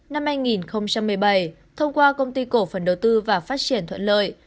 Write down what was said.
năm hai nghìn một mươi bảy thông qua công ty cổ phần đầu tư và phát triển thuận lợi